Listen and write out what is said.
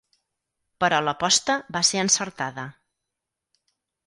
Però l'aposta va ser encertada.